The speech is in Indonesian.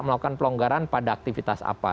melakukan pelonggaran pada aktivitas apa